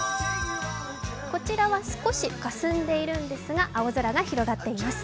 こちらは少しかすんでいるんですが、青空が広がっています